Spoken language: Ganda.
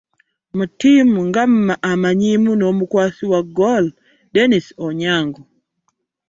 Mu ttiimu nga amanyiimu n'omukwasi wa ggoolo Dennis Onyango!